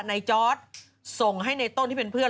จอร์ดส่งให้ในต้นที่เป็นเพื่อน